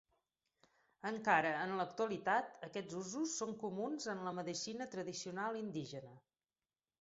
Encara en l'actualitat aquests usos són comuns en la medicina tradicional indígena.